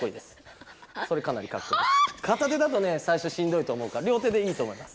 かた手だとねさいしょしんどいと思うからりょう手でいいと思います。